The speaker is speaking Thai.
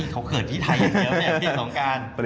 เขาเกิดที่ไทยอย่างเดียวที่สงการ